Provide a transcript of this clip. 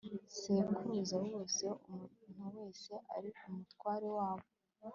sekuruza wose umuntu wese ari umutware wabo